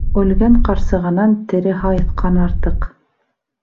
Үлгән ҡарсығанан тере һайыҫҡан артыҡ.